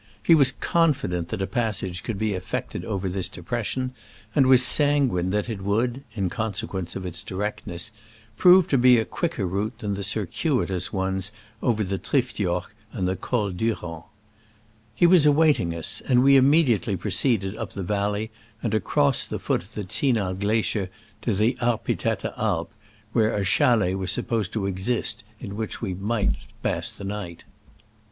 He was confident that a passage could be effected over this depression, and was sanguine that it would (in consequence of its directness) prove to be a quicker route than the circuitous ones over the Triftjoch and the Col Durand. He was awaiting us, and we immedi ately proceeded up the valley and across the foot of the Zinal glacier to the Ar pitetta Alp, where a chalet was supposed to exist in which we might pass the night.